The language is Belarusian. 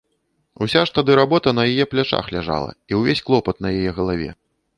Уся ж тады работа на яе плячах ляжала і ўвесь клопат на яе галаве.